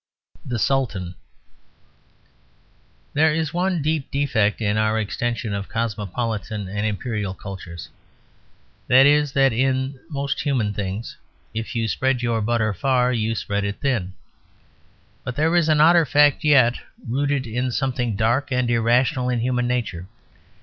THE SULTAN There is one deep defect in our extension of cosmopolitan and Imperial cultures. That is, that in most human things if you spread your butter far you spread it thin. But there is an odder fact yet: rooted in something dark and irrational in human nature.